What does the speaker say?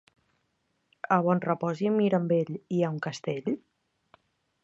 A Bonrepòs i Mirambell hi ha un castell?